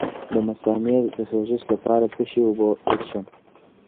د مثانې د سوزش لپاره د څه شي اوبه وڅښم؟